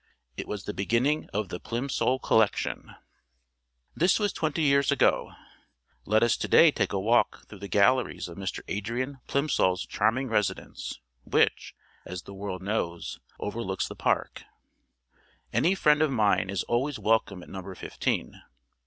It was the beginning of the "Plimsoll Collection." This was twenty years ago. Let us to day take a walk through the galleries of Mr. Adrian Plimsoll's charming residence which, as the world knows, overlooks the park. Any friend of mine is always welcome at Number Fifteen.